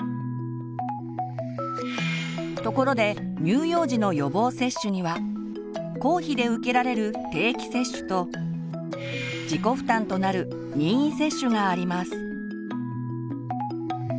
ところで乳幼児の予防接種には公費で受けられる「定期接種」と自己負担となる「任意接種」があります。